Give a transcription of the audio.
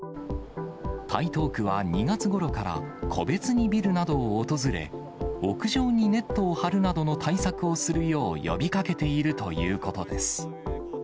台東区は２月ごろから、個別にビルなどを訪れ、屋上にネットを張るなどの対策をするよう呼びかけているということです。